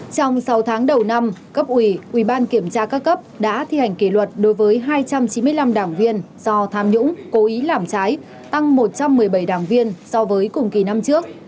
trong sáu tháng đầu năm cấp ủy ủy ban kiểm tra các cấp đã thi hành kỷ luật đối với hai trăm chín mươi năm đảng viên do tham nhũng cố ý làm trái tăng một trăm một mươi bảy đảng viên so với cùng kỳ năm trước